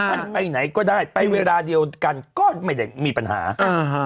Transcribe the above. ท่านไปไหนก็ได้ไปเวลาเดียวกันก็ไม่ได้มีปัญหาอ่าฮะ